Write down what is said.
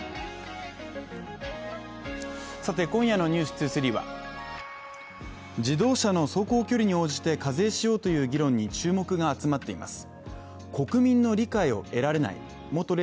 さて今夜の「ｎｅｗｓ２３」は自動車の走行距離に応じて課税しようという議論に注目が集まっています